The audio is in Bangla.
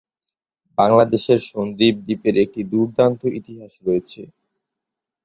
বাংলাদেশের সন্দ্বীপ দ্বীপের একটি দুর্দান্ত ইতিহাস রয়েছে।